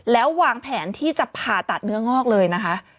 แล้ววางแผนที่จะผ่าตัดเนื้องอกเลยนะคะ